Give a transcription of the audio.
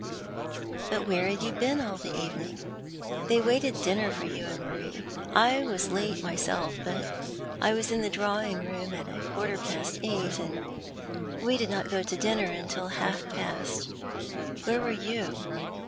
"But whore had you been all the evening? They waited dinner for you and ]\Iarie. I was late myself, but 1 was in the drawing room at a quarter past eight, and we did not go to dinner till half past. Where were you?